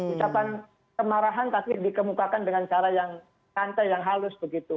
ucapan kemarahan tapi dikemukakan dengan cara yang santai yang halus begitu